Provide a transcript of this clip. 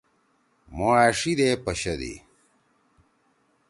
مھو أݜی دے پشَدی۔